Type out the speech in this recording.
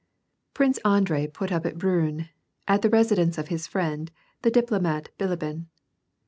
Pbikcb Andrei put up at Briinn, at the residence of his friend, the diplomat Bilibin.